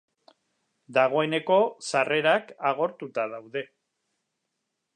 Dagoneko sarrerak agortuta daude.